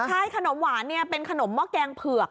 ใช่ขนมหวานเป็นขนมหม้อแกงเผือก